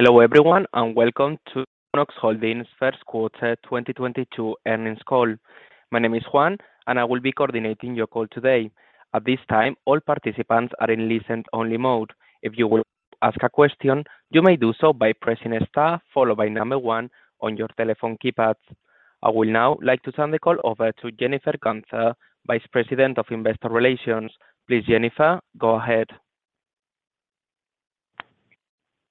Hello, everyone, and welcome to Tronox Holdings' first quarter 2022 earnings call. My name is Juan and I will be coordinating your call today. At this time, all participants are in listen-only mode. If you would like to ask a question, you may do so by pressing star followed by one on your telephone keypads. I would now like to turn the call over to Jennifer Guenther, Vice President of Investor Relations. Please, Jennifer, go ahead.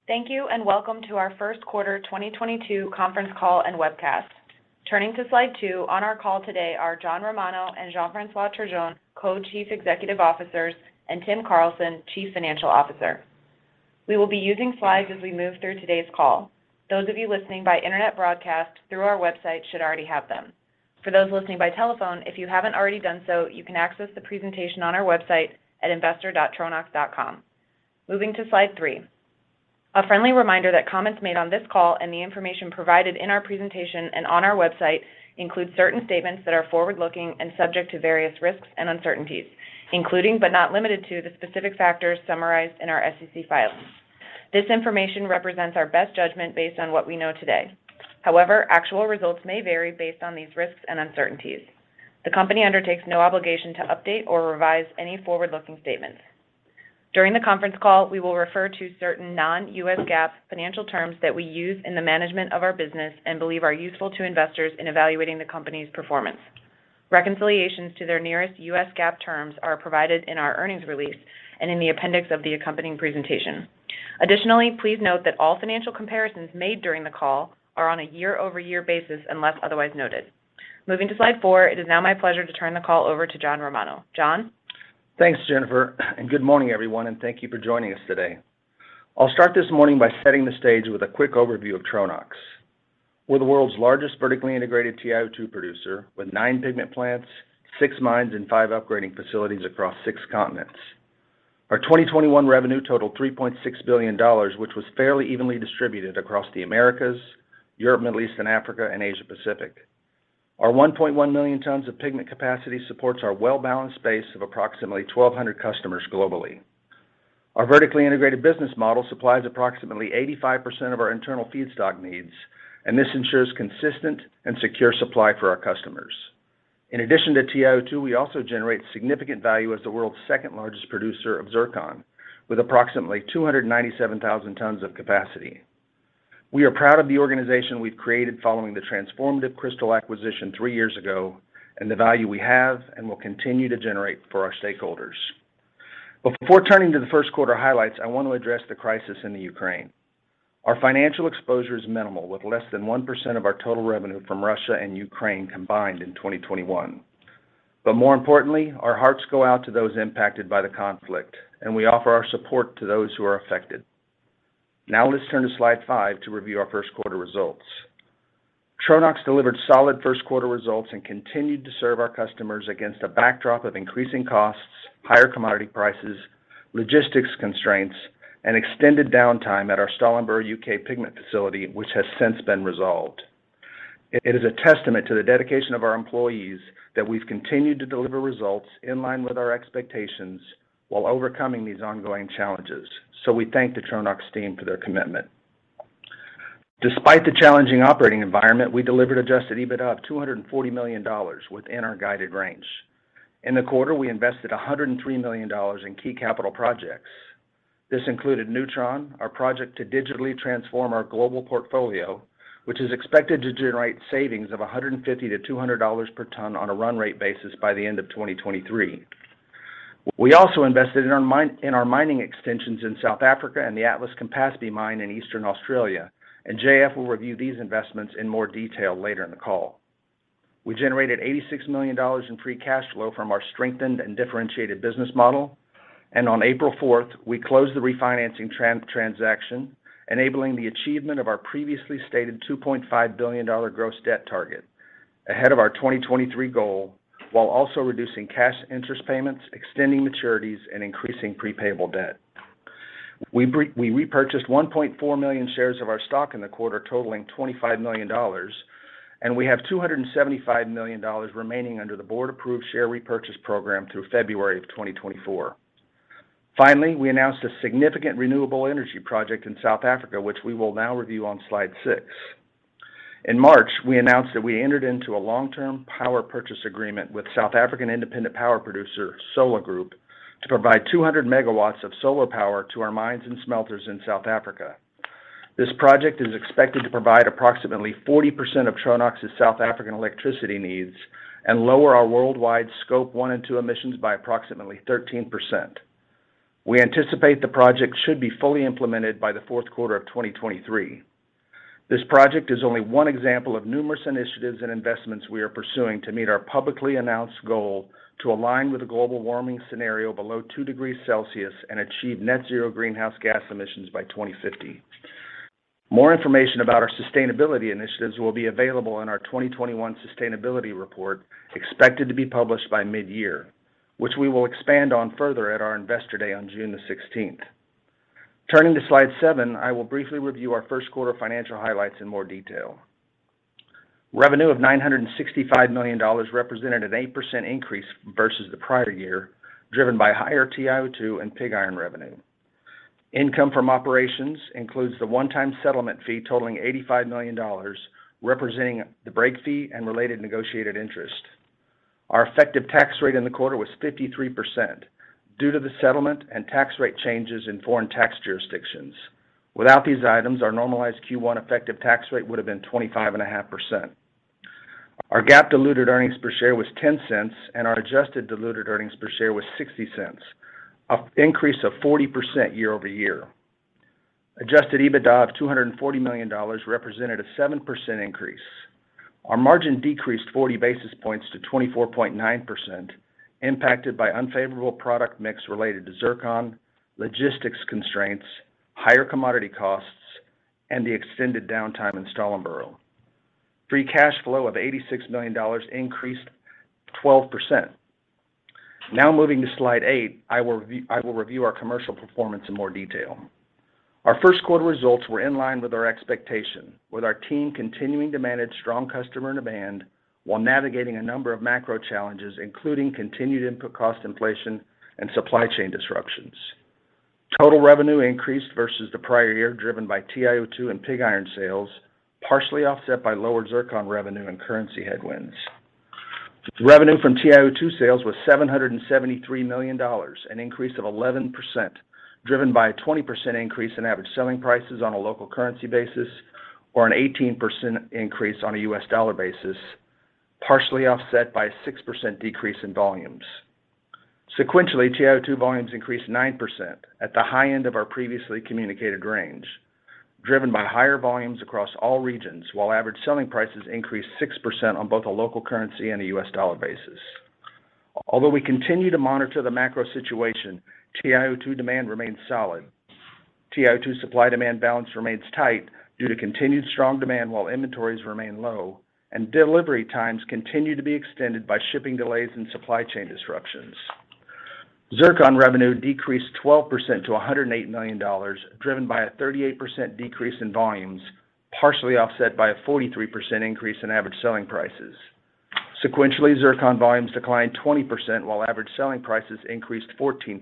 Thank you, and welcome to our first quarter 2022 conference call and webcast. Turning to slide two, on our call today are John Romano and Jean-François Turgeon, Co-Chief Executive Officers, and Tim Carlson, Chief Financial Officer. We will be using slides as we move through today's call. Those of you listening by internet broadcast through our website should already have them. For those listening by telephone, if you haven't already done so, you can access the presentation on our website at investor.tronox.com. Moving to slide three. A friendly reminder that comments made on this call and the information provided in our presentation and on our website include certain statements that are forward-looking and subject to various risks and uncertainties, including, but not limited to, the specific factors summarized in our SEC filings. This information represents our best judgment based on what we know today. However, actual results may vary based on these risks and uncertainties. The company undertakes no obligation to update or revise any forward-looking statements. During the conference call, we will refer to certain non-US GAAP financial terms that we use in the management of our business and believe are useful to investors in evaluating the company's performance. Reconciliations to their nearest US GAAP terms are provided in our earnings release and in the appendix of the accompanying presentation. Additionally, please note that all financial comparisons made during the call are on a year-over-year basis, unless otherwise noted. Moving to slide four, it is now my pleasure to turn the call over to John Romano. John? Thanks, Jennifer, and good morning, everyone, and thank you for joining us today. I'll start this morning by setting the stage with a quick overview of Tronox. We're the world's largest vertically integrated TiO2 producer with nine pigment plants, six mines, and five upgrading facilities across six continents. Our 2021 revenue totaled $3.6 billion, which was fairly evenly distributed across the Americas, Europe, Middle East, and Africa, and Asia Pacific. Our 1.1 million tons of pigment capacity supports our well-balanced base of approximately 1,200 customers globally. Our vertically integrated business model supplies approximately 85% of our internal feedstock needs, and this ensures consistent and secure supply for our customers. In addition to TiO2, we also generate significant value as the world's second-largest producer of zircon with approximately 297,000 tons of capacity. We are proud of the organization we've created following the transformative Cristal acquisition three years ago and the value we have and will continue to generate for our stakeholders. Before turning to the first quarter highlights, I want to address the crisis in the Ukraine. Our financial exposure is minimal, with less than 1% of our total revenue from Russia and Ukraine combined in 2021. More importantly, our hearts go out to those impacted by the conflict, and we offer our support to those who are affected. Now let's turn to slide five to review our first quarter results. Tronox delivered solid first quarter results and continued to serve our customers against a backdrop of increasing costs, higher commodity prices, logistics constraints, and extended downtime at our Stallingborough, U.K. pigment facility, which has since been resolved. It is a testament to the dedication of our employees that we've continued to deliver results in line with our expectations while overcoming these ongoing challenges. We thank the Tronox team for their commitment. Despite the challenging operating environment, we delivered adjusted EBITDA of $240 million within our guided range. In the quarter, we invested $103 million in key capital projects. This included newTRON, our project to digitally transform our global portfolio, which is expected to generate savings of $150-$200 per ton on a run rate basis by the end of 2023. We also invested in our mining extensions in South Africa and the Atlas-Campaspe mine in Eastern Australia, and JF will review these investments in more detail later in the call. We generated $86 million in free cash flow from our strengthened and differentiated business model. On April 4th, we closed the refinancing transaction, enabling the achievement of our previously stated $2.5 billion gross debt target ahead of our 2023 goal, while also reducing cash interest payments, extending maturities, and increasing pre-payable debt. We repurchased 1.4 million shares of our stock in the quarter, totaling $25 million, and we have $275 million remaining under the board-approved share repurchase program through February 2024. Finally, we announced a significant renewable energy project in South Africa, which we will now review on slide six. In March, we announced that we entered into a long-term power purchase agreement with South African independent power producer, SOLA Group, to provide 200 MW of solar power to our mines and smelters in South Africa. This project is expected to provide approximately 40% of Tronox's South African electricity needs and lower our worldwide Scope 1 and 2 emissions by approximately 13%. We anticipate the project should be fully implemented by the fourth quarter of 2023. This project is only one example of numerous initiatives and investments we are pursuing to meet our publicly announced goal to align with the global warming scenario below 2 degrees Celsius and achieve net zero greenhouse gas emissions by 2050. More information about our sustainability initiatives will be available in our 2021 sustainability report, expected to be published by mid-year, which we will expand on further at our Investor Day on June 16th. Turning to slide seven, I will briefly review our first quarter financial highlights in more detail. Revenue of $965 million represented an 8% increase versus the prior year, driven by higher TiO2 and pig iron revenue. Income from operations includes the one-time settlement fee totaling $85 million, representing the break fee and related negotiated interest. Our effective tax rate in the quarter was 53% due to the settlement and tax rate changes in foreign tax jurisdictions. Without these items, our normalized Q1 effective tax rate would have been 25.5%. Our GAAP diluted earnings per share was $0.10, and our adjusted diluted earnings per share was $0.60, an increase of 40% year-over-year. Adjusted EBITDA of $240 million represented a 7% increase. Our margin decreased 40 basis points to 24.9% impacted by unfavorable product mix related to zircon, logistics constraints, higher commodity costs, and the extended downtime in Stallingborough. Free cash flow of $86 million increased 12%. Now moving to slide eight, I will review our commercial performance in more detail. Our first quarter results were in line with our expectation with our team continuing to manage strong customer demand while navigating a number of macro challenges, including continued input cost inflation and supply chain disruptions. Total revenue increased versus the prior year, driven by TiO2 and pig iron sales, partially offset by lower zircon revenue and currency headwinds. Revenue from TiO2 sales was $773 million, an increase of 11%, driven by a 20% increase in average selling prices on a local currency basis or an 18% increase on a U.S. dollar basis, partially offset by a 6% decrease in volumes. Sequentially, TiO2 volumes increased 9% at the high end of our previously communicated range, driven by higher volumes across all regions while average selling prices increased 6% on both a local currency and a U.S. dollar basis. Although we continue to monitor the macro situation, TiO2 demand remains solid. TiO2 supply-demand balance remains tight due to continued strong demand while inventories remain low, and delivery times continue to be extended by shipping delays and supply chain disruptions. Zircon revenue decreased 12% to $108 million, driven by a 38% decrease in volumes, partially offset by a 43% increase in average selling prices. Sequentially, zircon volumes declined 20% while average selling prices increased 14%.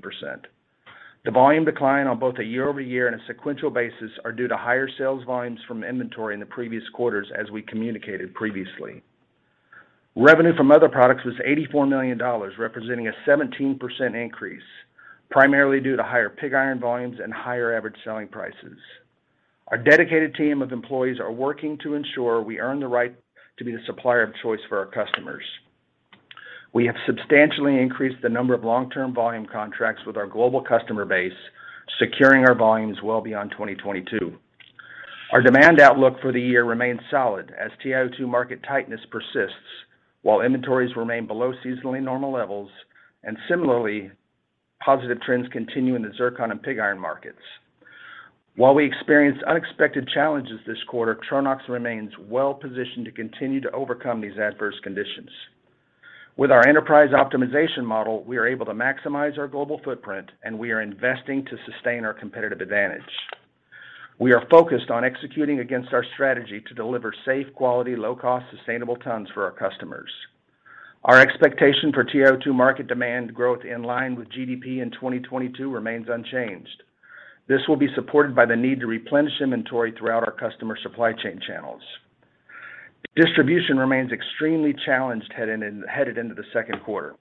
The volume decline on both a year-over-year and a sequential basis are due to higher sales volumes from inventory in the previous quarters as we communicated previously. Revenue from other products was $84 million, representing a 17% increase, primarily due to higher pig iron volumes and higher average selling prices. Our dedicated team of employees are working to ensure we earn the right to be the supplier of choice for our customers. We have substantially increased the number of long-term volume contracts with our global customer base, securing our volumes well beyond 2022. Our demand outlook for the year remains solid as TiO2 market tightness persists while inventories remain below seasonally normal levels, and similarly, positive trends continue in the zircon and pig iron markets. While we experienced unexpected challenges this quarter, Tronox remains well-positioned to continue to overcome these adverse conditions. With our enterprise optimization model, we are able to maximize our global footprint, and we are investing to sustain our competitive advantage. We are focused on executing against our strategy to deliver safe, quality, low cost, sustainable tons for our customers. Our expectation for TiO2 market demand growth in line with GDP in 2022 remains unchanged. This will be supported by the need to replenish inventory throughout our customer supply chain channels. Distribution remains extremely challenged headed into the second quarter.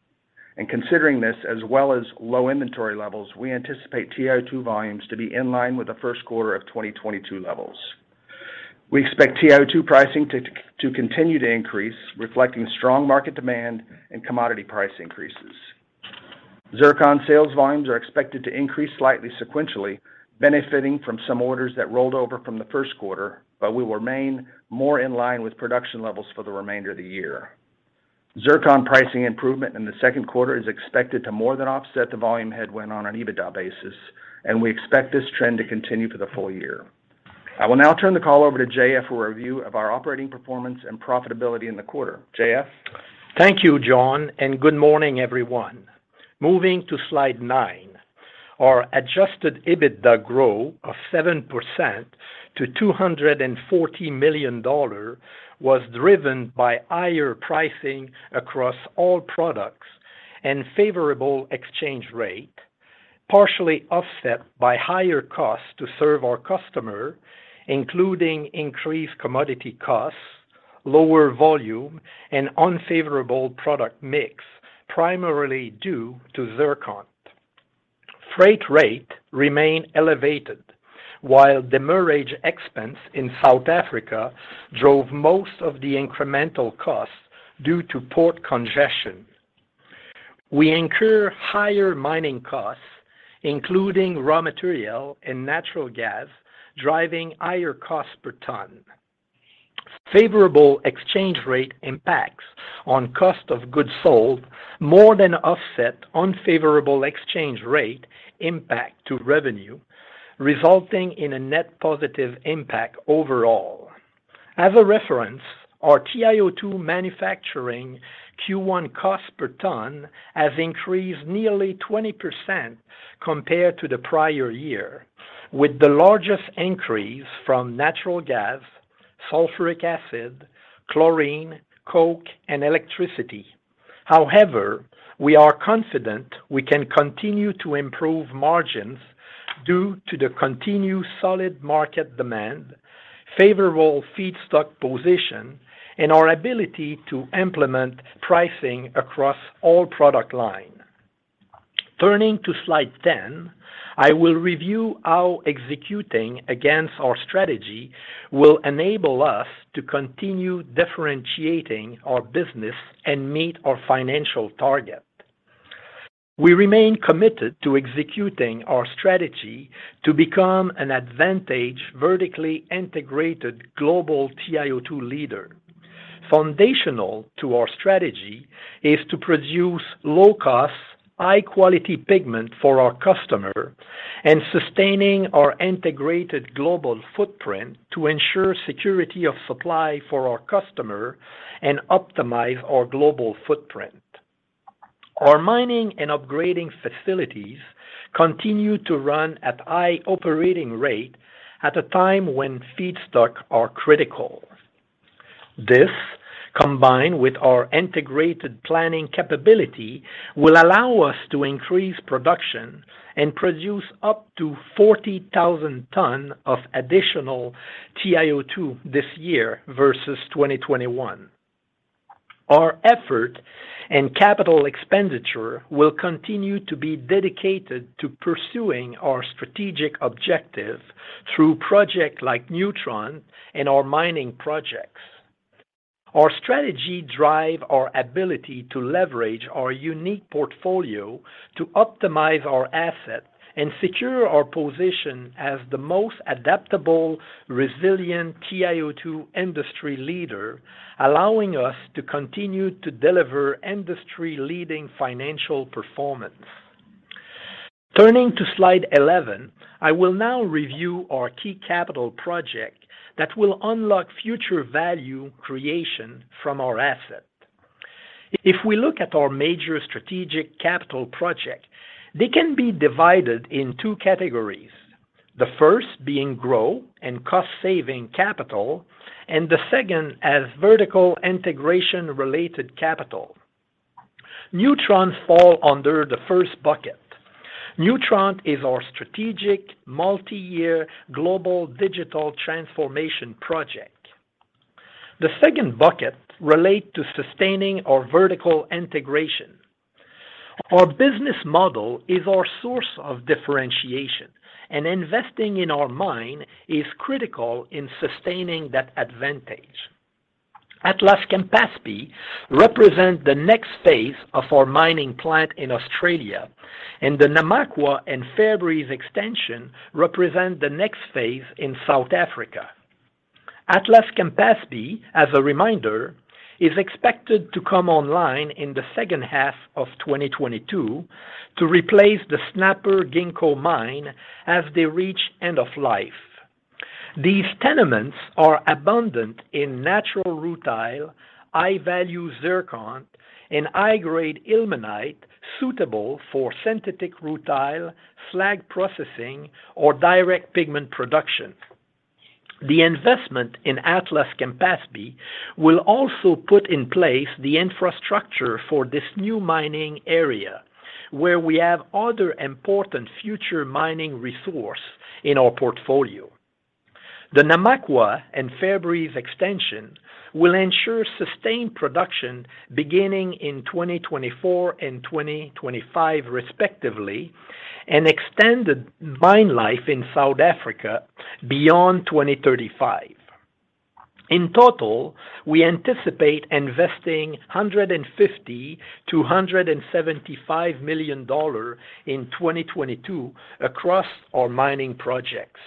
Considering this, as well as low inventory levels, we anticipate TiO2 volumes to be in line with the first quarter of 2022 levels. We expect TiO2 pricing to continue to increase, reflecting strong market demand and commodity price increases. Zircon sales volumes are expected to increase slightly sequentially, benefiting from some orders that rolled over from the first quarter, but we will remain more in line with production levels for the remainder of the year. Zircon pricing improvement in the second quarter is expected to more than offset the volume headwind on an EBITDA basis, and we expect this trend to continue for the full year. I will now turn the call over to JF for a review of our operating performance and profitability in the quarter. JF? Thank you, John, and good morning, everyone. Moving to slide nine. Our adjusted EBITDA growth of 7% to $240 million was driven by higher pricing across all products and favorable exchange rate, partially offset by higher costs to serve our customer, including increased commodity costs, lower volume, and unfavorable product mix, primarily due to zircon. Freight rates remain elevated while demurrage expense in South Africa drove most of the incremental costs due to port congestion. We incur higher mining costs, including raw material and natural gas, driving higher cost per ton. Favorable exchange rate impacts on cost of goods sold more than offset unfavorable exchange rate impact to revenue, resulting in a net positive impact overall. As a reference, our TiO2 manufacturing Q1 cost per ton has increased nearly 20% compared to the prior year. With the largest increase from natural gas, sulfuric acid, chlorine, coke, and electricity. However, we are confident we can continue to improve margins due to the continued solid market demand, favorable feedstock position, and our ability to implement pricing across all product line. Turning to slide 10, I will review how executing against our strategy will enable us to continue differentiating our business and meet our financial target. We remain committed to executing our strategy to become an advantaged vertically integrated global TiO2 leader. Foundational to our strategy is to produce low cost, high quality pigment for our customer and sustaining our integrated global footprint to ensure security of supply for our customer and optimize our global footprint. Our mining and upgrading facilities continue to run at high operating rate at a time when feedstock are critical. This, combined with our integrated planning capability, will allow us to increase production and produce up to 40,000 tons of additional TiO2 this year versus 2021. Our effort and capital expenditure will continue to be dedicated to pursuing our strategic objective through projects like newTRON and our mining projects. Our strategy drive our ability to leverage our unique portfolio to optimize our asset and secure our position as the most adaptable, resilient TiO2 industry leader, allowing us to continue to deliver industry-leading financial performance. Turning to slide 11, I will now review our key capital project that will unlock future value creation from our asset. If we look at our major strategic capital project, they can be divided in two categories. The first being growth and cost-saving capital, and the second as vertical integration related capital. newTRON fall under the first bucket. newTRON is our strategic multi-year global digital transformation project. The second bucket relate to sustaining our vertical integration. Our business model is our source of differentiation, and investing in our mine is critical in sustaining that advantage. Atlas-Campaspe represent the next phase of our mining plan in Australia, and the Namakwa and Fairbreeze extension represent the next phase in South Africa. Atlas-Campaspe, as a reminder, is expected to come online in the second half of 2022 to replace the Snapper Ginkgo mine as they reach end of life. These tenements are abundant in natural rutile, high-value zircon, and high-grade ilmenite suitable for synthetic rutile, slag processing, or direct pigment production. The investment in Atlas-Campaspe will also put in place the infrastructure for this new mining area, where we have other important future mining resource in our portfolio. The Namakwa and Fair Breeze extension will ensure sustained production beginning in 2024 and 2025 respectively and extend the mine life in South Africa beyond 2035. In total, we anticipate investing $150 million-$175 million in 2022 across our mining projects,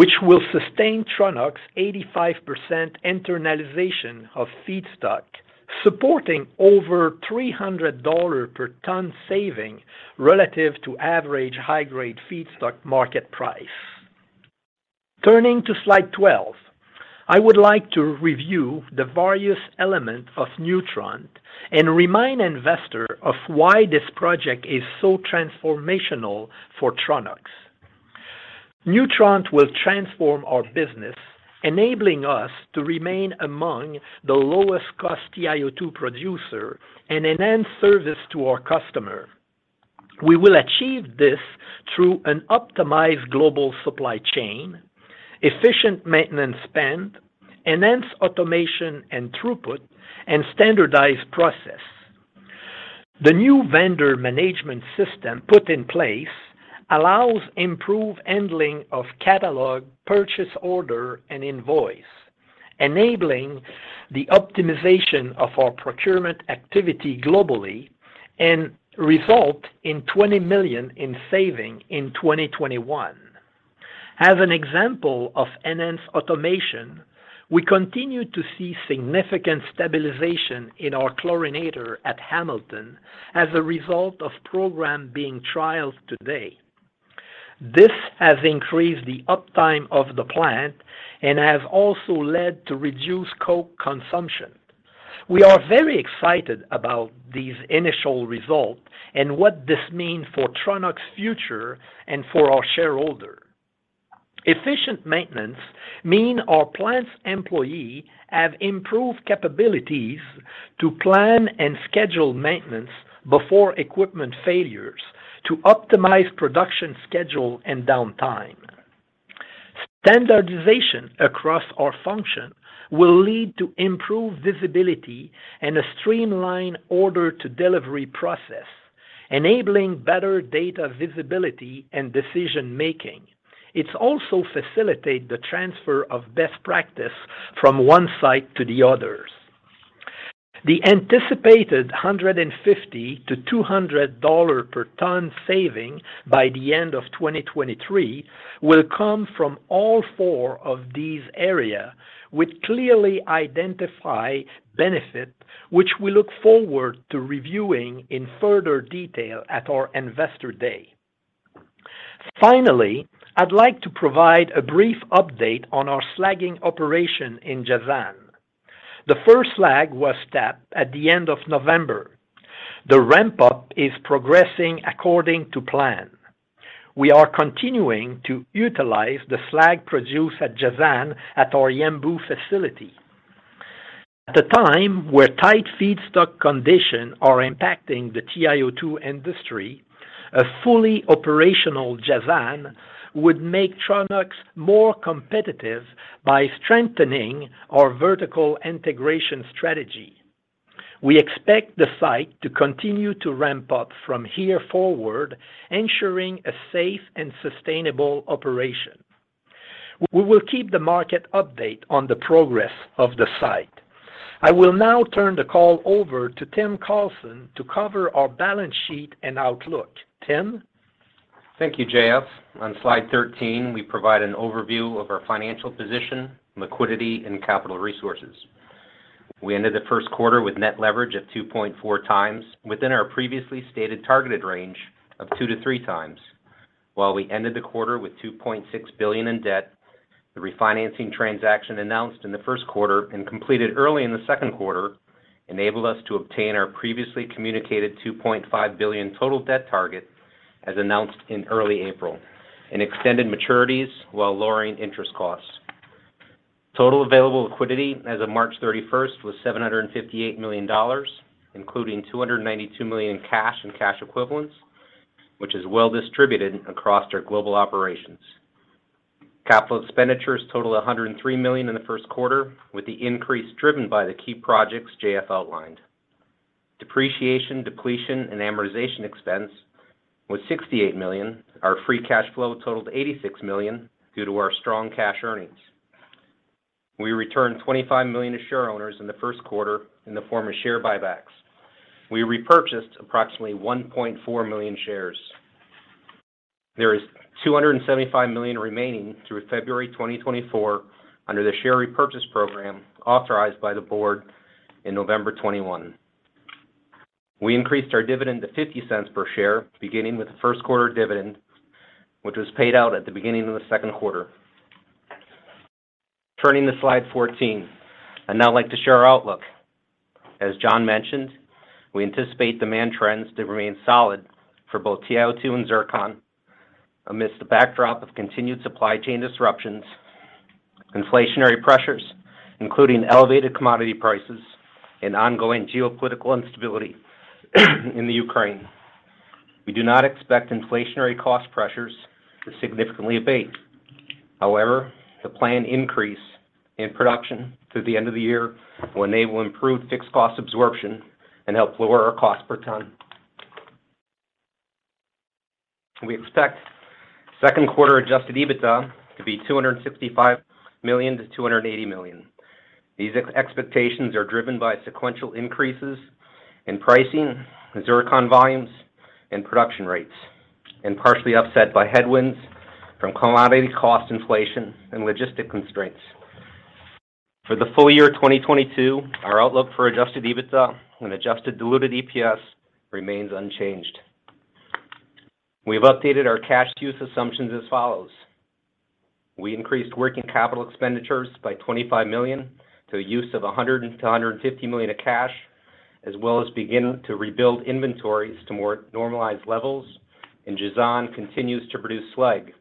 which will sustain Tronox 85% internalization of feedstock, supporting over $300 per ton saving relative to average high grade feedstock market price. Turning to slide 12. I would like to review the various elements of newTRON and remind investor of why this project is so transformational for Tronox. newTRON will transform our business, enabling us to remain among the lowest cost TiO2 producer and enhance service to our customer. We will achieve this through an optimized global supply chain, efficient maintenance spend, enhanced automation and throughput, and standardized process. The new vendor management system put in place allows improved handling of catalog, purchase order, and invoice, enabling the optimization of our procurement activity globally and resulting in $20 million in savings in 2021. As an example of enhanced automation, we continue to see significant stabilization in our chlorinator at Hamilton as a result of a program being trialed today. This has increased the uptime of the plant and has also led to reduced coke consumption. We are very excited about these initial results and what this means for Tronox's future and for our shareholders. Efficient maintenance means our plant's employees have improved capabilities to plan and schedule maintenance before equipment failures to optimize production schedule and downtime. Standardization across our function will lead to improved visibility and a streamlined order-to-delivery process, enabling better data visibility and decision-making. It also facilitates the transfer of best practices from one site to the others. The anticipated $150-$200 per ton saving by the end of 2023 will come from all four of these areas, with clearly identified benefits, which we look forward to reviewing in further detail at our Investor Day. Finally, I'd like to provide a brief update on our slagging operation in Jazan. The first slag was tapped at the end of November. The ramp-up is progressing according to plan. We are continuing to utilize the slag produced at Jazan at our Yanbu facility. At a time where tight feedstock conditions are impacting the TiO2 industry, a fully operational Jazan would make Tronox more competitive by strengthening our vertical integration strategy. We expect the site to continue to ramp up from here forward, ensuring a safe and sustainable operation. We will keep the market updated on the progress of the site. I will now turn the call over to Tim Carlson to cover our balance sheet and outlook. Tim? Thank you, JF. On slide 13, we provide an overview of our financial position, liquidity, and capital resources. We ended the first quarter with net leverage of 2.4 times within our previously stated targeted range of two to three times. While we ended the quarter with $2.6 billion in debt, the refinancing transaction announced in the first quarter and completed early in the second quarter enabled us to obtain our previously communicated $2.5 billion total debt target, as announced in early April, and extended maturities while lowering interest costs. Total available liquidity as of March 31st was $758 million, including $292 million in cash and cash equivalents, which is well distributed across our global operations. Capital expenditures totaled $103 million in the first quarter, with the increase driven by the key projects JF outlined. Depreciation, depletion, and amortization expense was $68 million. Our free cash flow totaled $86 million due to our strong cash earnings. We returned $25 million to shareholders in the first quarter in the form of share buybacks. We repurchased approximately 1.4 million shares. There is $275 million remaining through February 2024 under the share repurchase program authorized by the board in November 2021. We increased our dividend to $0.50 per share, beginning with the first quarter dividend, which was paid out at the beginning of the second quarter. Turning to slide 14. I'd now like to share our outlook. As John mentioned, we anticipate demand trends to remain solid for both TiO2 and zircon amidst the backdrop of continued supply chain disruptions, inflationary pressures, including elevated commodity prices and ongoing geopolitical instability in the Ukraine. We do not expect inflationary cost pressures to significantly abate. However, the planned increase in production through the end of the year will enable improved fixed cost absorption and help lower our cost per ton. We expect second quarter adjusted EBITDA to be $265 million-$280 million. These expectations are driven by sequential increases in pricing, zircon volumes, and production rates, and partially offset by headwinds from commodity cost inflation and logistics constraints. For the full year 2022, our outlook for adjusted EBITDA and adjusted diluted EPS remains unchanged. We've updated our cash use assumptions as follows. We increased working capital expenditures by $25 million to a use of $100 million-$150 million of cash, as well as begin to rebuild inventories to more normalized levels, and Jazan continues to produce slag.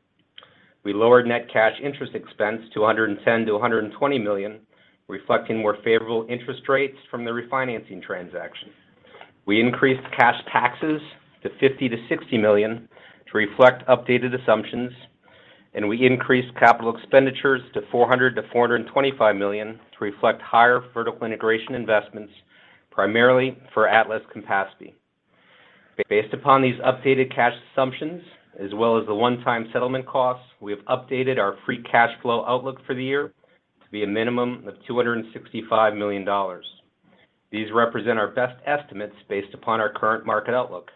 We lowered net cash interest expense to $110 million-$120 million, reflecting more favorable interest rates from the refinancing transaction. We increased cash taxes to $50 million-$60 million to reflect updated assumptions, and we increased capital expenditures to $400 million-$425 million to reflect higher vertical integration investments primarily for Atlas capacity. Based upon these updated cash assumptions as well as the one-time settlement costs, we have updated our free cash flow outlook for the year to be a minimum of $265 million. These represent our best estimates based upon our current market outlook.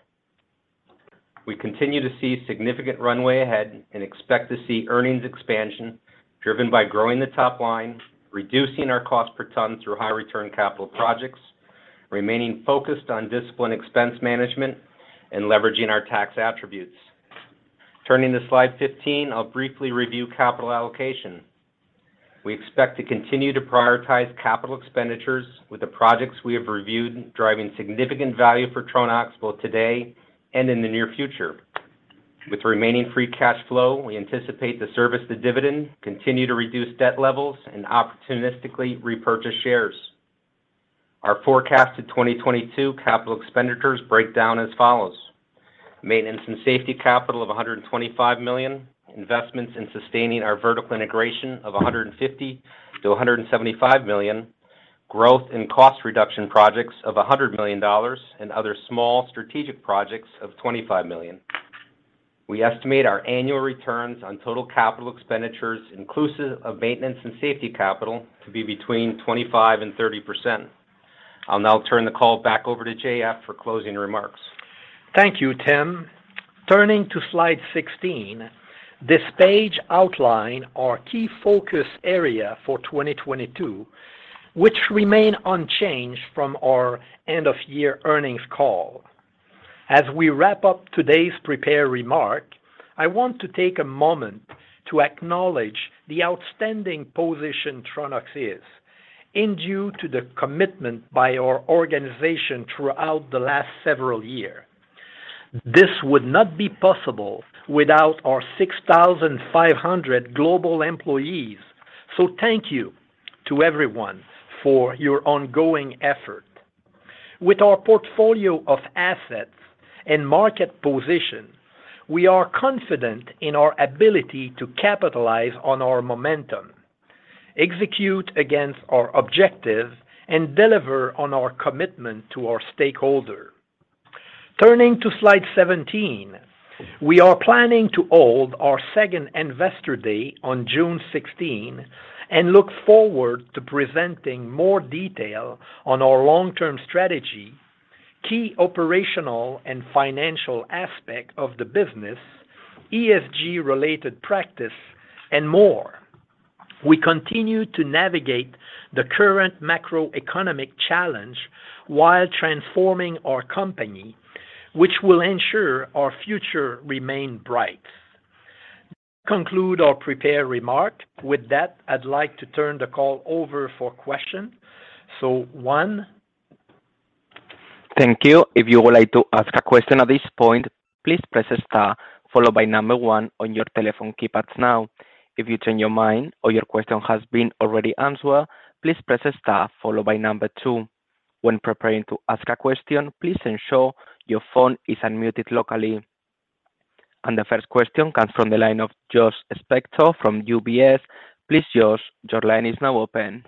We continue to see significant runway ahead and expect to see earnings expansion driven by growing the top line, reducing our cost per ton through high return capital projects, remaining focused on disciplined expense management, and leveraging our tax attributes. Turning to slide 15, I'll briefly review capital allocation. We expect to continue to prioritize capital expenditures with the projects we have reviewed driving significant value for Tronox both today and in the near future. With remaining free cash flow, we anticipate to service the dividend, continue to reduce debt levels and opportunistically repurchase shares. Our forecasted 2022 capital expenditures break down as follows. Maintenance and safety capital of $125 million, investments in sustaining our vertical integration of $150 million-$175 million, growth in cost reduction projects of $100 million, and other small strategic projects of $25 million. We estimate our annual returns on total capital expenditures, inclusive of maintenance and safety capital, to be between 25% and 30%. I'll now turn the call back over to JF for closing remarks. Thank you, Tim. Turning to slide 16, this page outlines our key focus areas for 2022, which remain unchanged from our end of year earnings call. As we wrap up today's prepared remarks, I want to take a moment to acknowledge the outstanding position Tronox is in due to the commitment by our organization throughout the last several years. This would not be possible without our 6,500 global employees. Thank you to everyone for your ongoing effort. With our portfolio of assets and market position, we are confident in our ability to capitalize on our momentum, execute against our objectives, and deliver on our commitment to our stakeholders. Turning to slide 17. We are planning to hold our second investor day on June 16 and look forward to presenting more detail on our long-term strategy, key operational and financial aspect of the business, ESG related practice and more. We continue to navigate the current macroeconomic challenge while transforming our company, which will ensure our future remain bright. Concluding our prepared remarks. With that, I'd like to turn the call over for questions. Juan. Thank you. If you would like to ask a question at this point, please press star followed by number one on your telephone keypads now. If you change your mind or your question has been already answered, please press star followed by number two. When preparing to ask a question, please ensure your phone is unmuted locally. The first question comes from the line of Josh Spector from UBS. Please, Josh, your line is now open.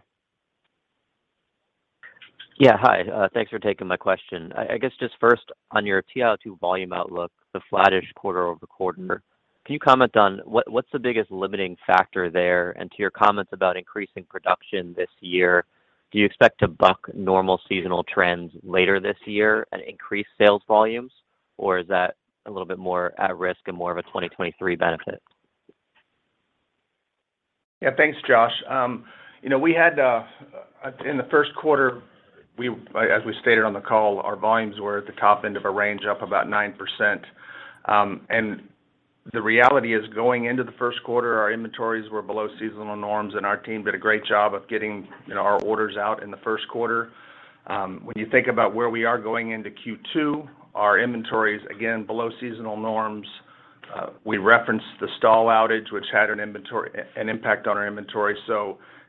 Yeah. Hi, thanks for taking my question. I guess just first on your TiO2 volume outlook, the flattish quarter-over-quarter, can you comment on what's the biggest limiting factor there? To your comments about increasing production this year, do you expect to buck normal seasonal trends later this year and increase sales volumes? Or is that a little bit more at risk and more of a 2023 benefit? Thanks, Josh. You know, we had in the first quarter, as we stated on the call, our volumes were at the top end of a range, up about 9%. The reality is, going into the first quarter, our inventories were below seasonal norms, and our team did a great job of getting, you know, our orders out in the first quarter. When you think about where we are going into Q2, our inventories, again, below seasonal norms. We referenced the Stallingborough outage, which had an impact on our inventory.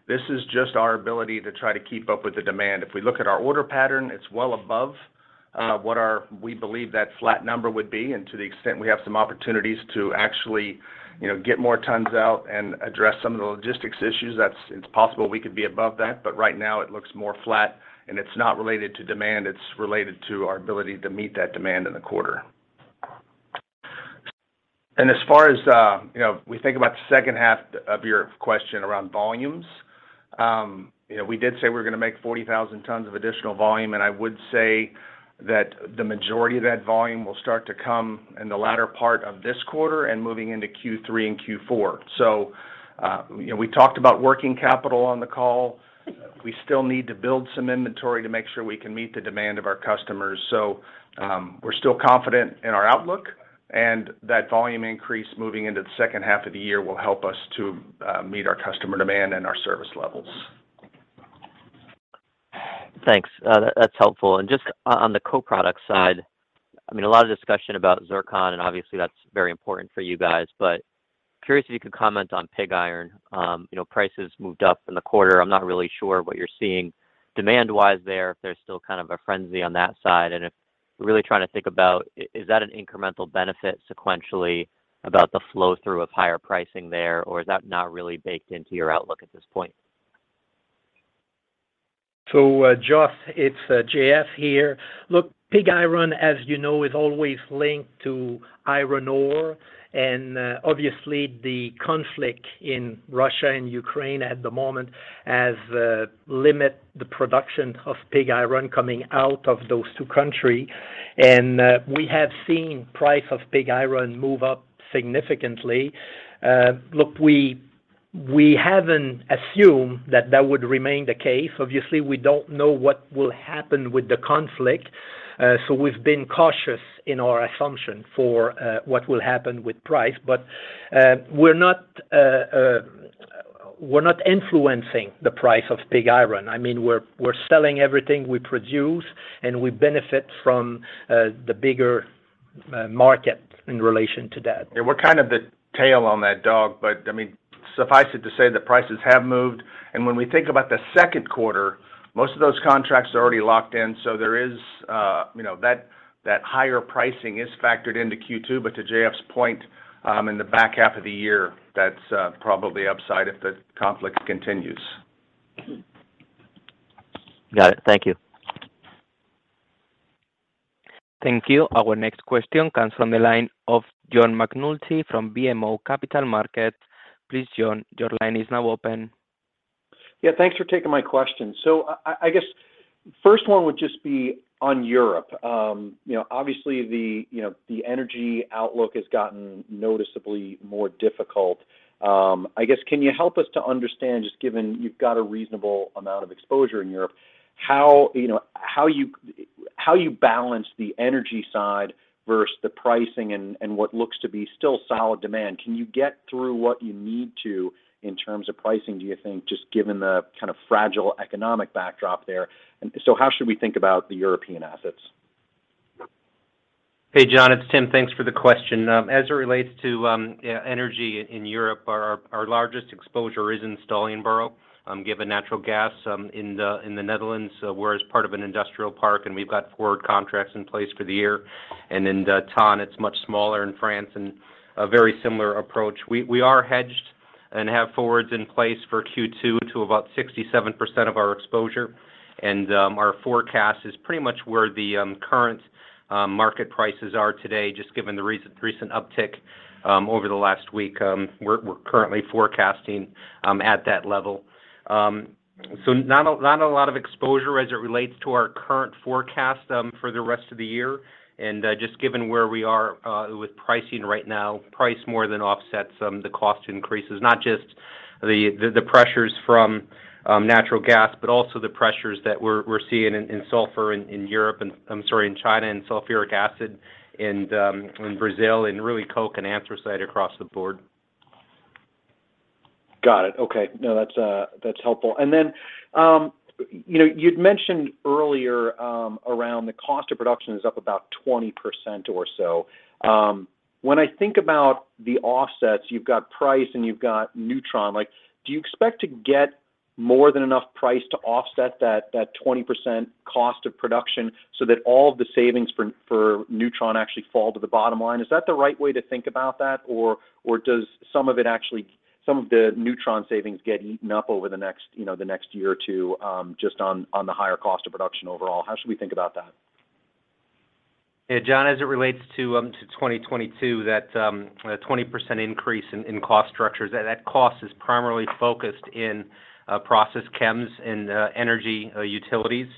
This is just our ability to try to keep up with the demand. If we look at our order pattern, it's well above what we believe that flat number would be. To the extent we have some opportunities to actually, you know, get more tons out and address some of the logistics issues, that's. It's possible we could be above that. Right now, it looks more flat. It's not related to demand, it's related to our ability to meet that demand in the quarter. As far as, you know, we think about the second half of your question around volumes, you know, we did say we're gonna make 40,000 tons of additional volume. I would say that the majority of that volume will start to come in the latter part of this quarter and moving into Q3 and Q4. You know, we talked about working capital on the call. We still need to build some inventory to make sure we can meet the demand of our customers. We're still confident in our outlook and that volume increase moving into the second half of the year will help us to meet our customer demand and our service levels. Thanks. That's helpful. Just on the co-product side, I mean, a lot of discussion about zircon and obviously that's very important for you guys. Curious if you could comment on pig iron. You know, prices moved up in the quarter. I'm not really sure what you're seeing demand-wise there, if there's still kind of a frenzy on that side. I'm really trying to think about, is that an incremental benefit sequentially about the flow-through of higher pricing there, or is that not really baked into your outlook at this point? Josh, it's JF here. Look, pig iron, as you know, is always linked to iron ore and obviously the conflict in Russia and Ukraine at the moment has limited the production of pig iron coming out of those two countries. We have seen price of pig iron move up significantly. We haven't assumed that that would remain the case. Obviously, we don't know what will happen with the conflict, so we've been cautious in our assumption for what will happen with price. We're not influencing the price of pig iron. I mean, we're selling everything we produce, and we benefit from the bigger market in relation to that. We're kind of the tail on that dog, but, I mean, suffice it to say that prices have moved. When we think about the second quarter, most of those contracts are already locked in, so there is, you know, that higher pricing is factored into Q2. But to JF's point, in the back half of the year, that's probably upside if the conflict continues. Got it. Thank you. Thank you. Our next question comes from the line of John McNulty from BMO Capital Markets. Please, John, your line is now open. Yeah, thanks for taking my question. So I guess first one would just be on Europe. You know, obviously the energy outlook has gotten noticeably more difficult. I guess, can you help us to understand, just given you've got a reasonable amount of exposure in Europe, how you balance the energy side versus the pricing and what looks to be still solid demand? Can you get through what you need to in terms of pricing, do you think, just given the kind of fragile economic backdrop there? How should we think about the European assets? Hey, John, it's Tim. Thanks for the question. As it relates to energy in Europe, our largest exposure is in Stallingborough, given natural gas in the Netherlands, we're part of an industrial park, and we've got forward contracts in place for the year. In Thann, it's much smaller in France, and a very similar approach. We are hedged and have forwards in place for Q2 to about 67% of our exposure. Our forecast is pretty much where the current market prices are today. Just given the recent uptick over the last week, we're currently forecasting at that level. Not a lot of exposure as it relates to our current forecast for the rest of the year. Just given where we are with pricing right now, price more than offsets the cost increases. Not just the pressures from natural gas, but also the pressures that we're seeing in sulfur in Europe and in China, and sulfuric acid in Brazil, and really coke and anthracite across the board. Got it. Okay. No, that's helpful. Then, you know, you'd mentioned earlier, around the cost of production is up about 20% or so. When I think about the offsets, you've got price and you've got newTRON. Like, do you expect to get more than enough price to offset that 20% cost of production so that all the savings for newTRON actually fall to the bottom line? Is that the right way to think about that? Or does some of it actually some of the newTRON savings get eaten up over the next, you know, the next year or two, just on the higher cost of production overall? How should we think about that? Yeah, John, as it relates to 2022, that 20% increase in cost structures, that cost is primarily focused in process chems and energy utilities.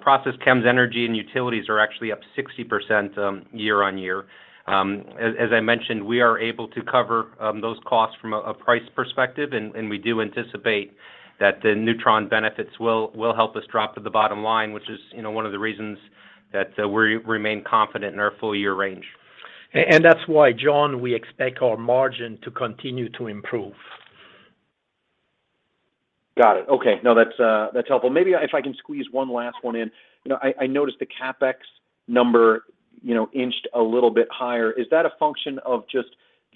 Process chems energy and utilities are actually up 60% year-on-year. As I mentioned, we are able to cover those costs from a price perspective. We do anticipate that the newTRON benefits will help us drop to the bottom line, which is, you know, one of the reasons that we remain confident in our full year range. That's why, John, we expect our margin to continue to improve. Got it. Okay. No, that's helpful. Maybe if I can squeeze one last one in. You know, I noticed the CapEx number, you know, inched a little bit higher. Is that a function of just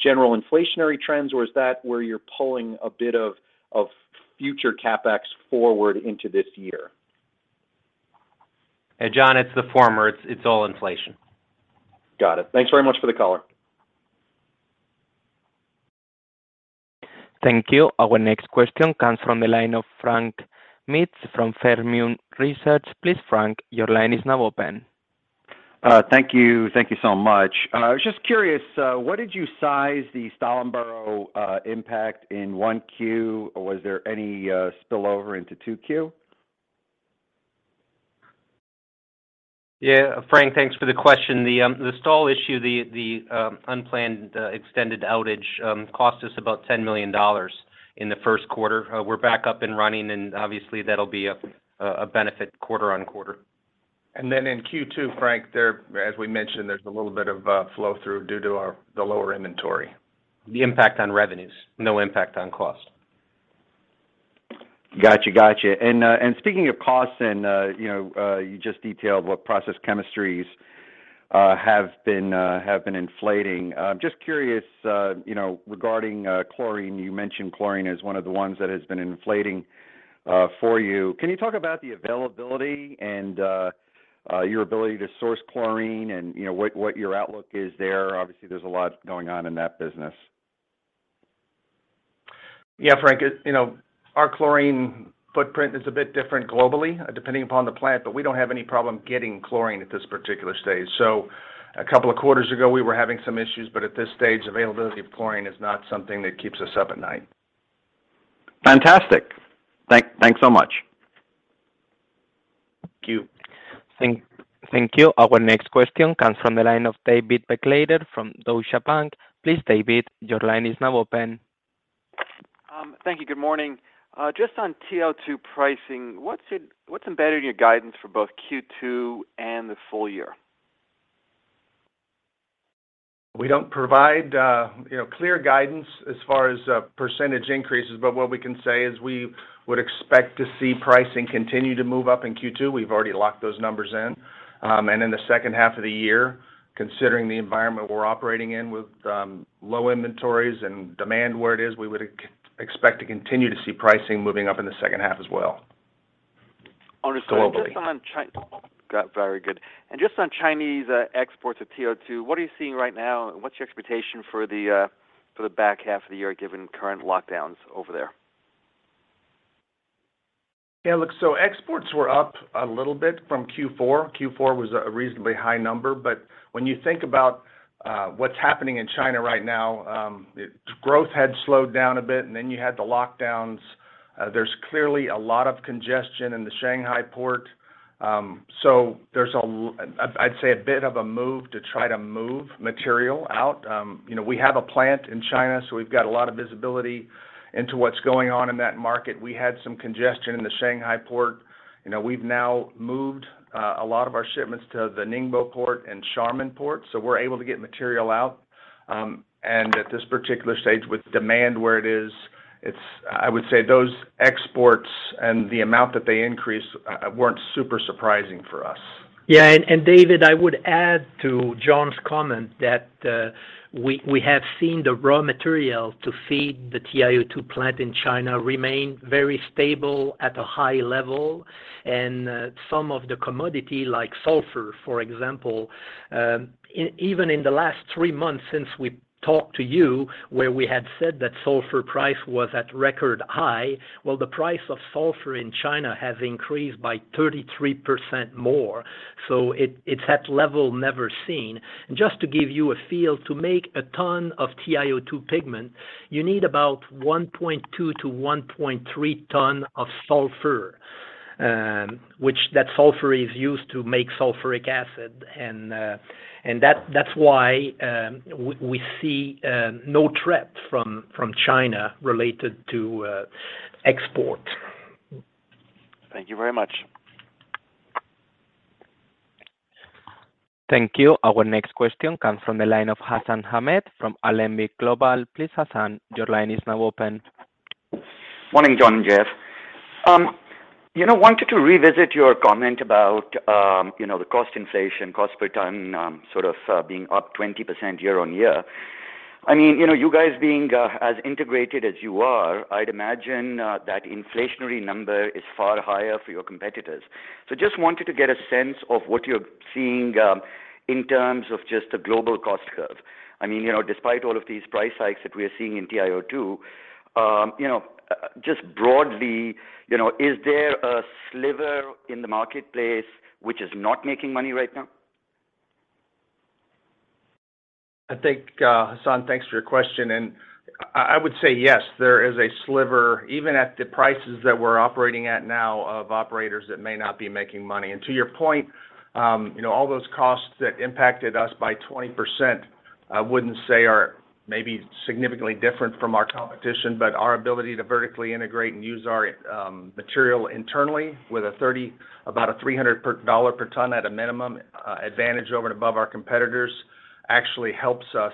general inflationary trends, or is that where you're pulling a bit of future CapEx forward into this year? Hey, John, it's the former. It's all inflation. Got it. Thanks very much for the color. Thank you. Our next question comes from the line of Frank Mitsch from Fermium Research. Please, Frank, your line is now open. Thank you. Thank you so much. I was just curious, what did you size the Stallingborough impact in 1Q, or was there any spillover into 2Q? Yeah. Frank, thanks for the question. The Stallingborough issue, the unplanned extended outage cost us about $10 million in the first quarter. We're back up and running, and obviously, that'll be a benefit quarter-over-quarter. In Q2, Frank, there, as we mentioned, there's a little bit of flow through due to the lower inventory. The impact on revenues, no impact on cost. Gotcha. Speaking of costs and, you know, you just detailed what process chemistries have been inflating. Just curious, you know, regarding chlorine. You mentioned chlorine as one of the ones that has been inflating for you. Can you talk about the availability and your ability to source chlorine and, you know, what your outlook is there? Obviously, there's a lot going on in that business. Yeah, Frank. You know, our chlorine footprint is a bit different globally, depending upon the plant, but we don't have any problem getting chlorine at this particular stage. A couple of quarters ago, we were having some issues, but at this stage, availability of chlorine is not something that keeps us up at night. Fantastic. Thanks so much. Thank you. Our next question comes from the line of David Begleiter from Deutsche Bank. Please, David, your line is now open. Thank you. Good morning. Just on TiO2 pricing, what's embedded in your guidance for both Q2 and the full year? We don't provide, you know, clear guidance as far as percentage increases, but what we can say is we would expect to see pricing continue to move up in Q2. We've already locked those numbers in. In the second half of the year, considering the environment we're operating in with low inventories and demand where it is, we would expect to continue to see pricing moving up in the second half as well. Understood. Globally. Just on Chinese exports of TiO2, what are you seeing right now? What's your expectation for the back half of the year, given current lockdowns over there? Yeah. Look, exports were up a little bit from Q4. Q4 was a reasonably high number. When you think about what's happening in China right now, growth had slowed down a bit, and then you had the lockdowns. There's clearly a lot of congestion in the Shanghai port. I'd say a bit of a move to try to move material out. You know, we have a plant in China, so we've got a lot of visibility into what's going on in that market. We had some congestion in the Shanghai port. You know, we've now moved a lot of our shipments to the Ningbo port and Xiamen port, so we're able to get material out. At this particular stage, with demand where it is, it's. I would say those exports and the amount that they increased weren't super surprising for us. David, I would add to John's comment that we have seen the raw material to feed the TiO2 plant in China remain very stable at a high level. Some of the commodities like sulfur, for example, even in the last three months since we talked to you, where we had said that sulfur price was at record high. Well, the price of sulfur in China has increased by 33% more. It's at a level never seen. Just to give you a feel, to make a ton of TiO2 pigment, you need about 1.2-1.3 tons of sulfur, which the sulfur is used to make sulfuric acid. That's why we see no threat from China related to export. Thank you very much. Thank you. Our next question comes from the line of Hassan Ahmed from Alembic Global. Please, Hassan, your line is now open. Morning, John and JF. You know, wanted to revisit your comment about, you know, the cost inflation, cost per ton, sort of, being up 20% year-over-year. I mean, you know, you guys being, as integrated as you are, I'd imagine, that inflationary number is far higher for your competitors. Just wanted to get a sense of what you're seeing, in terms of just the global cost curve. I mean, you know, despite all of these price hikes that we're seeing in TiO2, you know, just broadly, you know, is there a sliver in the marketplace which is not making money right now? I think, Hassan, thanks for your question. I would say yes, there is a sliver, even at the prices that we're operating at now of operators that may not be making money. To your point, you know, all those costs that impacted us by 20%, I wouldn't say are maybe significantly different from our competition, but our ability to vertically integrate and use our material internally with about a $300 per ton at a minimum advantage over and above our competitors actually helps us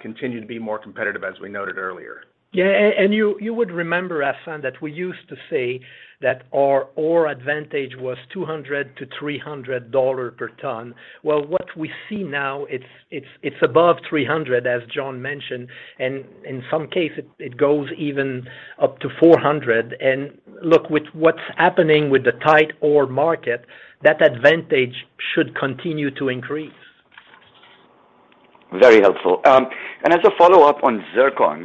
continue to be more competitive as we noted earlier. Yeah. You would remember, Hassan, that we used to say that our ore advantage was $200-$300 per ton. Well, what we see now, it's above $300, as John mentioned, and in some case, it goes even up to $400. Look, with what's happening with the tight ore market, that advantage should continue to increase. Very helpful. As a follow-up on zircon,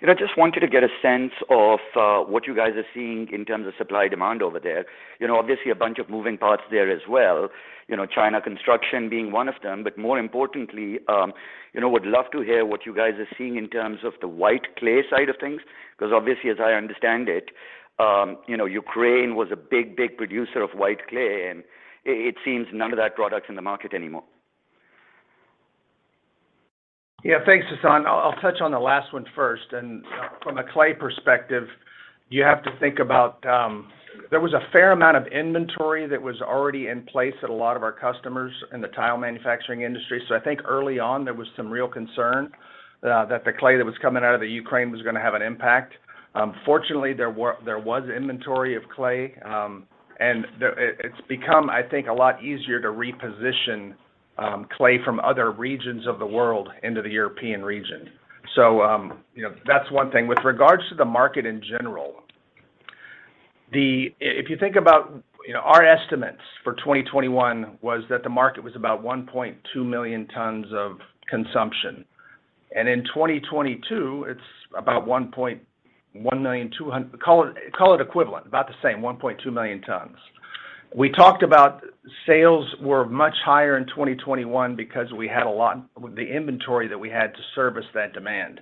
you know, just wanted to get a sense of what you guys are seeing in terms of supply and demand over there. You know, obviously a bunch of moving parts there as well, you know, China construction being one of them, but more importantly, you know, would love to hear what you guys are seeing in terms of the white clay side of things, because obviously, as I understand it, you know, Ukraine was a big, big producer of white clay, and it seems none of that product's in the market anymore. Yeah. Thanks, Hassan. I'll touch on the last one first. From a clay perspective, you have to think about there was a fair amount of inventory that was already in place at a lot of our customers in the tile manufacturing industry. I think early on, there was some real concern that the clay that was coming out of the Ukraine was gonna have an impact. Fortunately, there was inventory of clay, and it's become, I think, a lot easier to reposition clay from other regions of the world into the European region. You know, that's one thing. With regards to the market in general. If you think about our estimates for 2021 was that the market was about 1.2 million tons of consumption. In 2022, it's about 1.12 million, call it equivalent, about the same, 1.2 million tons. We talked about sales were much higher in 2021 because we had a lot with the inventory that we had to service that demand.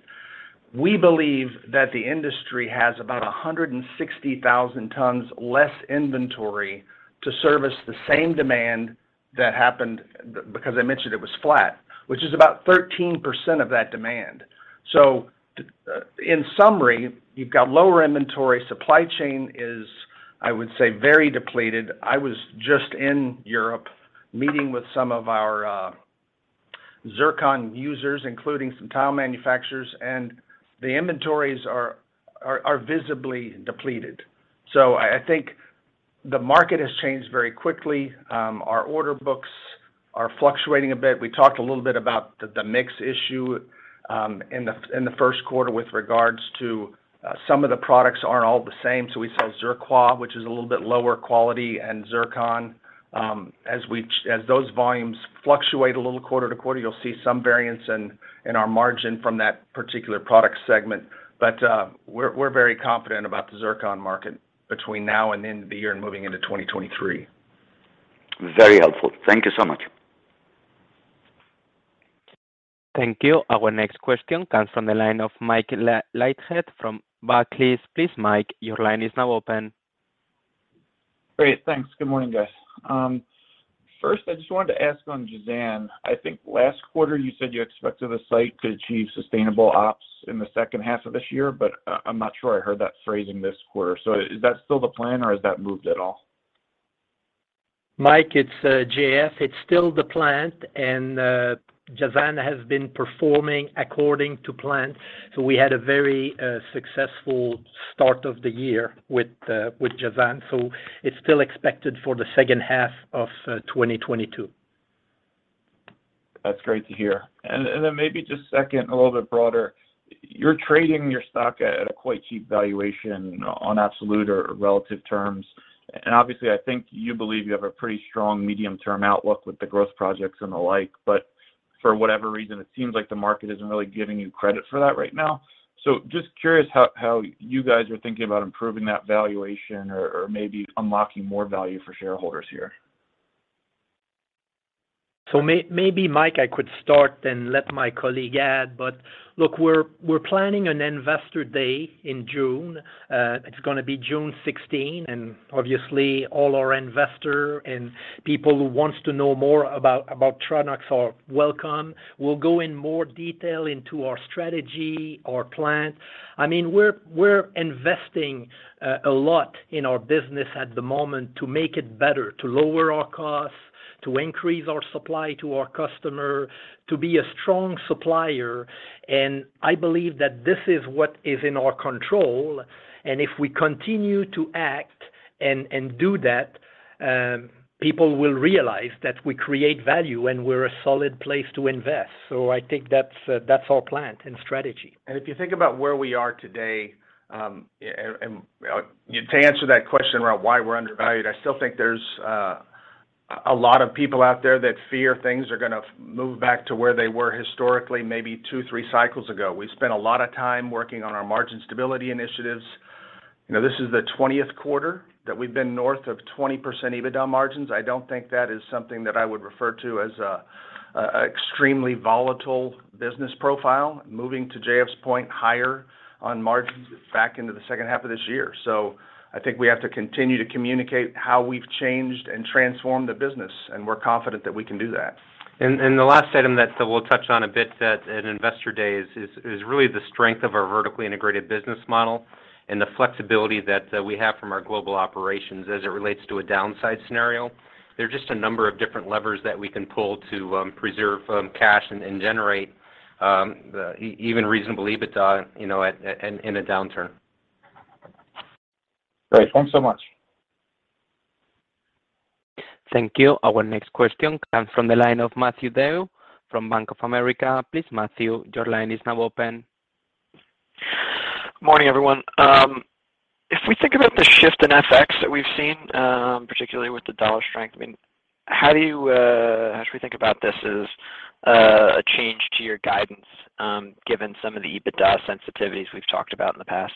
We believe that the industry has about 160,000 tons less inventory to service the same demand that happened, because I mentioned it was flat, which is about 13% of that demand. In summary, you've got lower inventory. Supply chain is, I would say, very depleted. I was just in Europe meeting with some of our zircon users, including some tile manufacturers, and the inventories are visibly depleted. I think the market has changed very quickly. Our order books are fluctuating a bit. We talked a little bit about the mix issue in the first quarter with regards to some of the products aren't all the same. So we sell Zirqua, which is a little bit lower quality, and zircon. As those volumes fluctuate a little quarter to quarter, you'll see some variance in our margin from that particular product segment. But we're very confident about the zircon market between now and the end of the year and moving into 2023. Very helpful. Thank you so much. Thank you. Our next question comes from the line of Michael Leithead from Barclays. Please, Mike, your line is now open. Great. Thanks. Good morning, guys. First, I just wanted to ask on Jazan. I think last quarter you said you expected the site to achieve sustainable ops in the second half of this year, but I'm not sure I heard that phrasing this quarter. Is that still the plan, or has that moved at all? Mike, it's JF. It's still the plan, and Jazan has been performing according to plan. We had a very successful start of the year with Jazan. It's still expected for the second half of 2022. That's great to hear. Maybe just second, a little bit broader, you're trading your stock at a quite cheap valuation on absolute or relative terms. Obviously, I think you believe you have a pretty strong medium-term outlook with the growth projects and the like, but for whatever reason, it seems like the market isn't really giving you credit for that right now. Just curious how you guys are thinking about improving that valuation or maybe unlocking more value for shareholders here. Maybe, Mike, I could start then let my colleague add. Look, we're planning an investor day in June. It's gonna be June 16. Obviously, all our investors and people who wants to know more about Tronox are welcome. We'll go in more detail into our strategy, our plan. I mean, we're investing a lot in our business at the moment to make it better, to lower our costs, to increase our supply to our customer, to be a strong supplier. I believe that this is what is in our control. If we continue to act and do that, people will realize that we create value and we're a solid place to invest. I think that's our plan and strategy. If you think about where we are today, and to answer that question around why we're undervalued, I still think there's a lot of people out there that fear things are gonna move back to where they were historically maybe two, three cycles ago. We've spent a lot of time working on our margin stability initiatives. You know, this is the twentieth quarter that we've been north of 20% EBITDA margins. I don't think that is something that I would refer to as an extremely volatile business profile, moving to JF's point higher on margins back into the second half of this year. I think we have to continue to communicate how we've changed and transformed the business, and we're confident that we can do that. The last item that we'll touch on a bit at Investor Day is really the strength of our vertically integrated business model and the flexibility that we have from our global operations as it relates to a downside scenario. There are just a number of different levers that we can pull to preserve cash and generate even reasonable EBITDA, you know, in a downturn. Great. Thanks so much. Thank you. Our next question comes from the line of Matthew DeYoe from Bank of America. Please, Matthew, your line is now open. Morning, everyone. If we think about the shift in FX that we've seen, particularly with the dollar strength, I mean, how should we think about this as a change to your guidance, given some of the EBITDA sensitivities we've talked about in the past?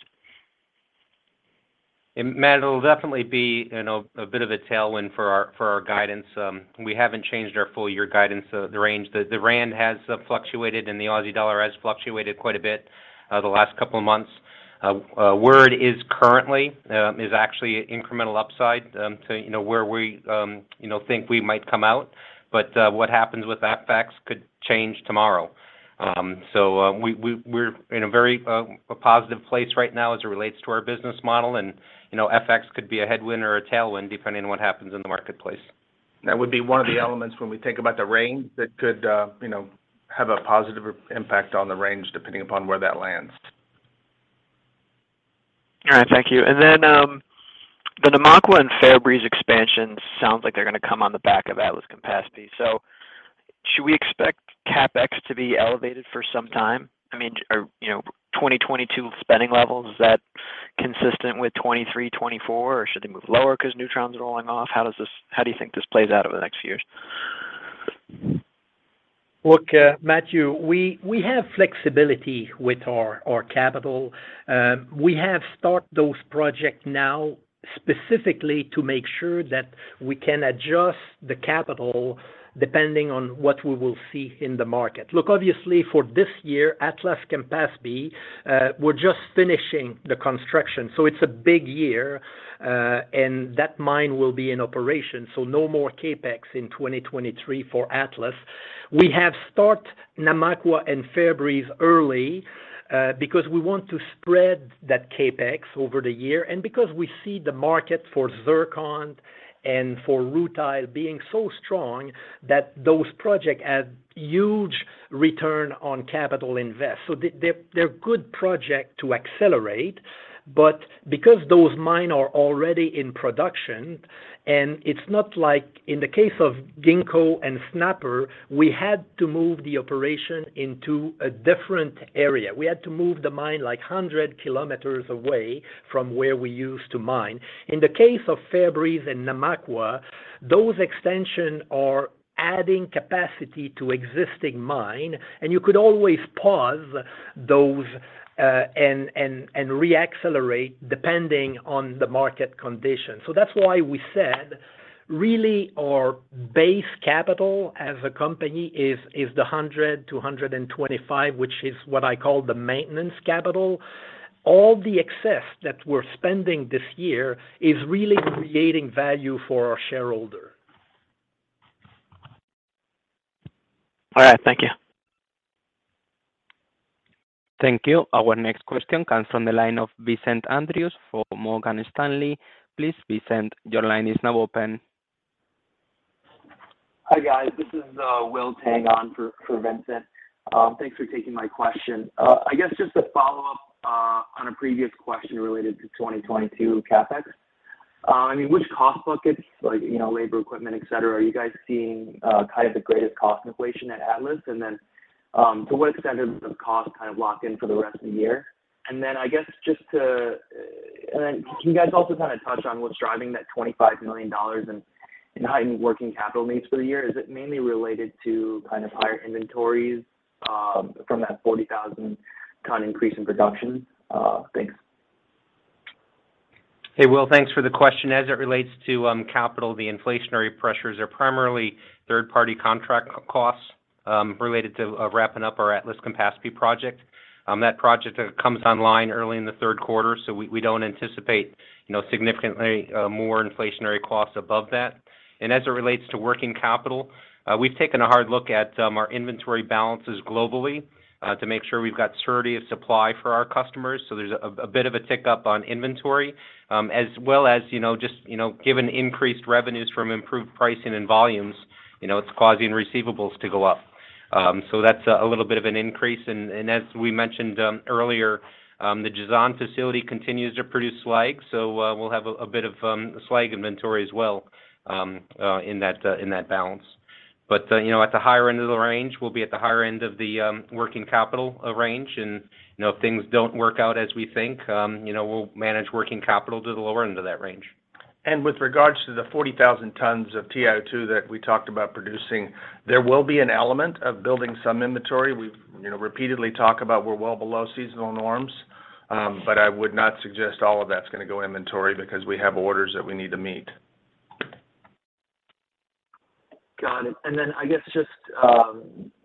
Matt, it'll definitely be, you know, a bit of a tailwind for our, for our guidance. We haven't changed our full year guidance, the range. The rand has fluctuated and the Aussie dollar has fluctuated quite a bit, the last couple of months. Where it is currently is actually incremental upside to, you know, where we, you know, think we might come out. But what happens with FX could change tomorrow. We're in a very positive place right now as it relates to our business model, and, you know, FX could be a headwind or a tailwind depending on what happens in the marketplace. That would be one of the elements when we think about the range that could, you know, have a positive impact on the range depending upon where that lands. All right. Thank you. Then, the Namakwa and Fairbreeze expansions sounds like they're gonna come on the back of Atlas-Campaspe. Should we expect CapEx to be elevated for some time? I mean, or, you know, 2022 spending levels, is that consistent with 2023, 2024? Or should they move lower 'cause newTRON are rolling off? How do you think this plays out over the next few years? Look, Matthew, we have flexibility with our capital. We have started those projects now specifically to make sure that we can adjust the capital depending on what we will see in the market. Look, obviously for this year, Atlas-Campaspe, we're just finishing the construction, so it's a big year, and that mine will be in operation. No more CapEx in 2023 for Atlas-Campaspe. We have started Namakwa and Fairbreeze early, because we want to spread that CapEx over the year and because we see the market for zircon and for rutile being so strong that those projects have huge return on capital invested. They're good projects to accelerate. Because those mines are already in production and it's not like in the case of Ginkgo and Snapper, we had to move the operation into a different area. We had to move the mine like a hundred kilometers away from where we used to mine. In the case of Fairbreeze and Namakwa, those extensions are adding capacity to existing mine, and you could always pause those, and re-accelerate depending on the market condition. That's why we said really our base capital as a company is the $100 million-$125 million, which is what I call the maintenance capital. All the excess that we're spending this year is really creating value for our shareholder. All right. Thank you. Thank you. Our next question comes from the line of Vincent Andrews for Morgan Stanley. Please, Vincent, your line is now open. Hi, guys. This is Will Tang on for Vincent. Thanks for taking my question. I guess just to follow up on a previous question related to 2022 CapEx. I mean, which cost buckets, like, you know, labor, equipment, et cetera, are you guys seeing kind of the greatest cost inflation at Atlas? And then, to what extent are those costs kind of locked in for the rest of the year? Can you guys also kind of touch on what's driving that $25 million in heightened working capital needs for the year? Is it mainly related to kind of higher inventories from that 40,000 ton increase in production? Thanks. Hey, Will, thanks for the question. As it relates to capital, the inflationary pressures are primarily third-party contract costs related to wrapping up our Atlas-Campaspe project. That project comes online early in the third quarter, so we don't anticipate, you know, significantly more inflationary costs above that. As it relates to working capital, we've taken a hard look at our inventory balances globally to make sure we've got surety of supply for our customers, so there's a bit of a tick up on inventory. As well as, you know, just, you know, given increased revenues from improved pricing and volumes, you know, it's causing receivables to go up. So that's a little bit of an increase. As we mentioned earlier, the Jazan facility continues to produce slag, so we'll have a bit of slag inventory as well in that balance. You know, at the higher end of the range, we'll be at the higher end of the working capital range. You know, if things don't work out as we think, we'll manage working capital to the lower end of that range. With regards to the 40,000 tons of TiO2 that we talked about producing, there will be an element of building some inventory. We've, you know, repeatedly talk about we're well below seasonal norms. But I would not suggest all of that's gonna go inventory because we have orders that we need to meet. Got it. I guess just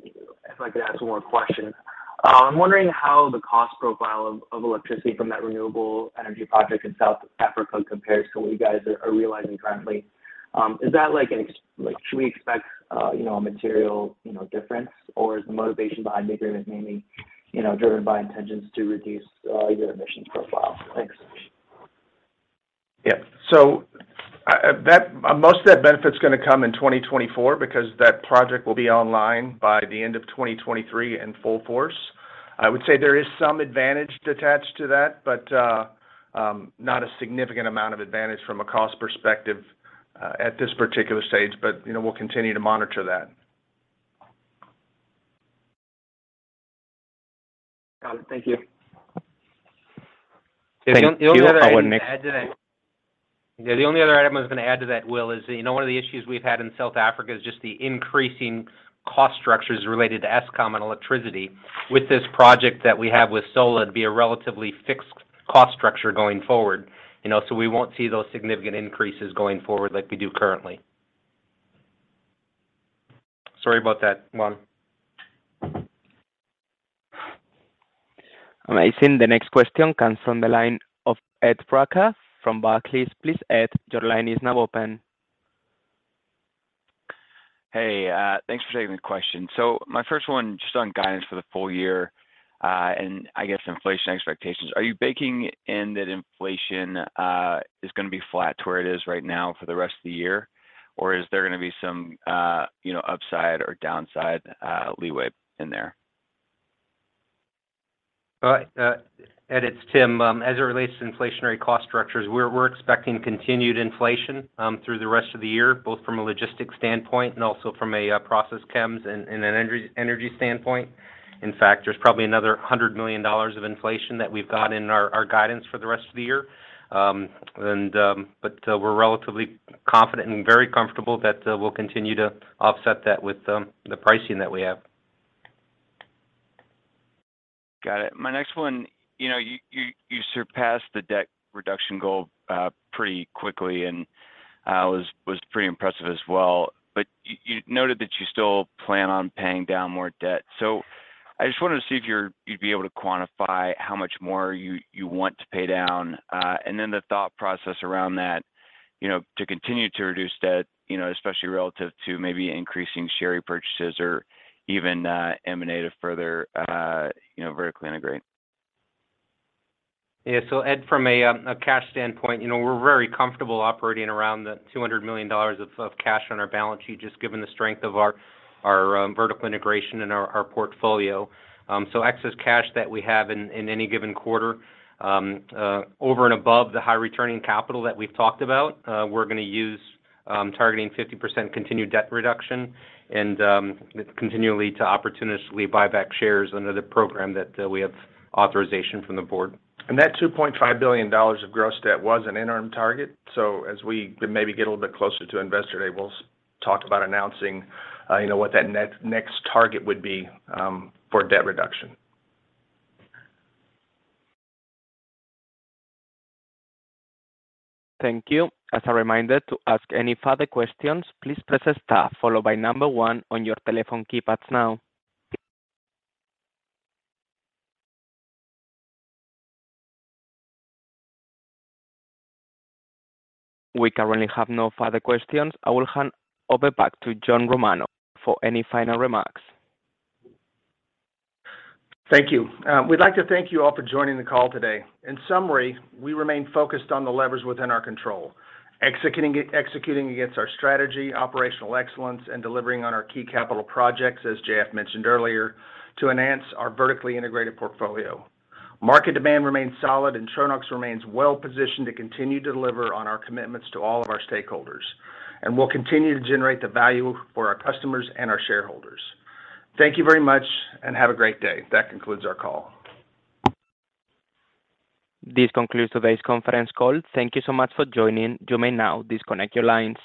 if I could ask one more question. I'm wondering how the cost profile of electricity from that renewable energy project in South Africa compares to what you guys are realizing currently. Is that like, should we expect, you know, a material, you know, difference? Or is the motivation behind the agreement mainly, you know, driven by intentions to reduce your emissions profile? Thanks. Most of that benefit's gonna come in 2024 because that project will be online by the end of 2023 in full force. I would say there is some advantage attached to that, but not a significant amount of advantage from a cost perspective at this particular stage. You know, we'll continue to monitor that. Got it. Thank you. The only other item I'd add to that. Thank you. Yeah, the only other item I was gonna add to that, Will, is, you know, one of the issues we've had in South Africa is just the increasing cost structures related to Eskom and electricity. With this project that we have with solar, it'd be a relatively fixed cost structure going forward, you know. We won't see those significant increases going forward like we do currently. Sorry about that, Juan. Amazing. The next question comes from the line of Edward Brucker from Barclays. Please, Ed, your line is now open. Hey. Thanks for taking the question. My first one just on guidance for the full year, and I guess inflation expectations. Are you baking in that inflation is gonna be flat to where it is right now for the rest of the year? Or is there gonna be some, you know, upside or downside leeway in there? Ed, it's Tim. As it relates to inflationary cost structures, we're expecting continued inflation through the rest of the year, both from a logistics standpoint and also from a process chems and an energy standpoint. In fact, there's probably another $100 million of inflation that we've got in our guidance for the rest of the year. We're relatively confident and very comfortable that we'll continue to offset that with the pricing that we have. Got it. My next one, you surpassed the debt reduction goal pretty quickly and was pretty impressive as well. You noted that you still plan on paying down more debt. I just wanted to see if you'd be able to quantify how much more you want to pay down. Then the thought process around that, to continue to reduce debt, especially relative to maybe increasing share repurchases or even M&A to further vertically integrate. Yeah. Ed, from a cash standpoint, you know, we're very comfortable operating around the $200 million of cash on our balance sheet, just given the strength of our vertical integration and our portfolio. Excess cash that we have in any given quarter, over and above the high returning capital that we've talked about, we're gonna use, targeting 50% continued debt reduction and continually to opportunistically buy back shares under the program that we have authorization from the board. That $2.5 billion of gross debt was an interim target. As we maybe get a little bit closer to investor day, we'll talk about announcing, you know, what that next target would be, for debt reduction. Thank you. As a reminder to ask any further questions, please press star followed by number one on your telephone keypads now. We currently have no further questions. I will hand over back to John Romano for any final remarks. Thank you. We'd like to thank you all for joining the call today. In summary, we remain focused on the levers within our control, executing against our strategy, operational excellence, and delivering on our key capital projects, as JF mentioned earlier, to enhance our vertically integrated portfolio. Market demand remains solid and Tronox remains well-positioned to continue to deliver on our commitments to all of our stakeholders. We'll continue to generate the value for our customers and our shareholders. Thank you very much and have a great day. That concludes our call. This concludes today's conference call. Thank you so much for joining. You may now disconnect your lines.